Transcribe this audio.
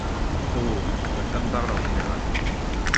Oh ! ma femme parle en général.